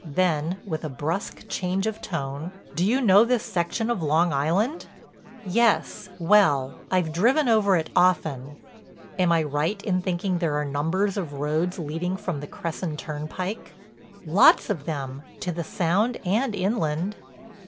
Then with a brusque change of tone, "Do you know this section of Long Island?" "Yes, well—I've driven over it often." "Am I right in thinking there are numbers of roads leading from the Cresson Turnpike?" "Lots of them, to the Sound and inland."